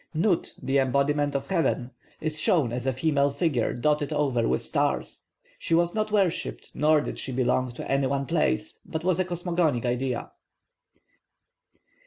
+Nut+, the embodiment of heaven, is shown as a female figure dotted over with stars. She was not worshipped nor did she belong to any one place, but was a cosmogonic idea.